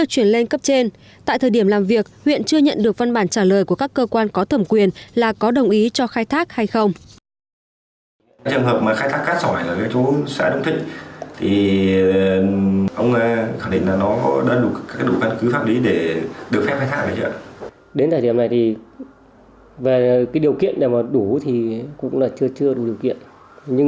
tại thời điểm làm việc huyện chưa nhận được văn bản trả lời của các cơ quan có thẩm quyền là có đồng ý cho khai thác hay không